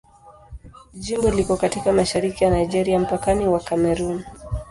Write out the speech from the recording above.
Jimbo liko katika mashariki ya Nigeria, mpakani wa Kamerun.